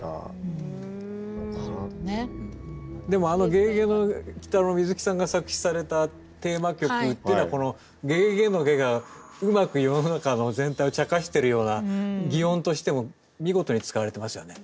でも「ゲゲゲの鬼太郎」の水木さんが作詞されたテーマ曲っていうのは「ゲゲゲのゲ」がうまく世の中の全体をちゃかしているような擬音としても見事に使われてますよね。